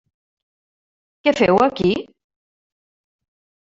Què feu aquí?